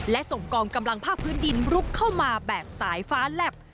และส่งกองกำลังภาคพื้นดินลุกเข้ามาแบบสายฟ้าแหลบ